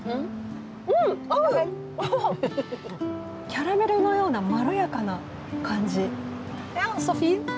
キャラメルのようなまろやかな感じ。